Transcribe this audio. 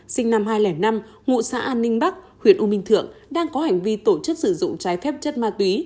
sinh năm hai nghìn năm ngụ xã an ninh bắc huyện u minh thượng đang có hành vi tổ chức sử dụng trái phép chất ma túy